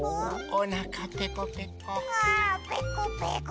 おなかペコペコ。